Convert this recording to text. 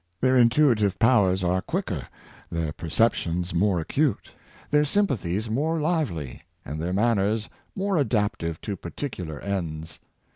Their intuitive powers are quicker, their perceptions more acute, their sympathies more lively, and their manners more adaptive to particular ends.